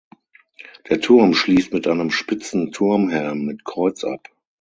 Der Turm schließt mit einem spitzen Turmhelm mit Kreuz ab.